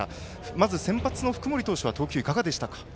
まず、先発の福盛投手の投球はいかがでしたか。